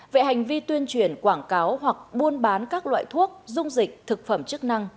về hành vi tuyên truyền quảng cáo hoặc buôn bán các loại thuốc dung dịch thực phẩm chức năng